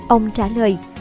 ông trả lời